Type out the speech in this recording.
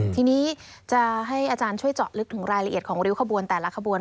ทีนี้จะให้อาจารย์ช่วยเจาะลึกถึงรายละเอียดของริ้วขบวนแต่ละขบวน